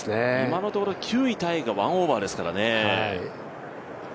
今のところ、９位タイが１オーバーですからね。